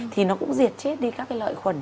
thì nó cũng diệt chết đi các cái lợi khuẩn